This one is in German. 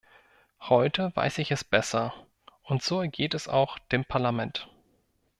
Heute weiß ich es besser, und so ergeht es auch dem Parlament.